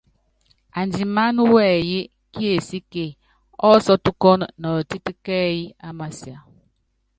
Andimáná wɛyí kiesíke ɔ́sɔ́tukɔ́nɔ nɔɔtɛ́t kɛ́yí ámasia.